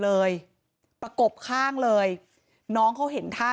เหตุการณ์เกิดขึ้นแถวคลองแปดลำลูกกา